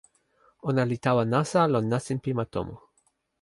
ona li tawa nasa lon nasin pi ma tomo.